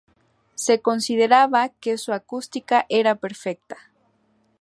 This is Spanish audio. Se consideraba que su acústica era perfecta.